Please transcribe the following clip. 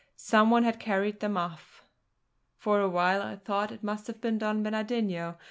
Some one had carried them off. For a while I thought it must have been Don Bernardino.